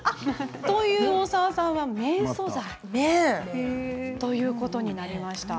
という大沢さんは綿素材となりました。